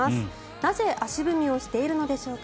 なぜ、足踏みをしているのでしょうか。